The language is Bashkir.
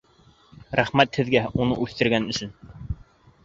Рәхмәт һеҙгә уны үҫтергән өсөн!